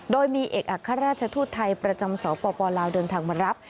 โดยมีเอกอัครราชทูตไทยประจำสปลาวเดินทางมารับ